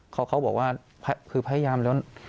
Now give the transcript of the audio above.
เขาบอกว่าคือพยายามแล้ว